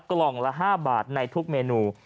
กล่องละ๕บาทในทุกเมนู